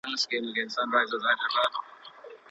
ولي لېواله انسان د مخکښ سړي په پرتله خنډونه ماتوي؟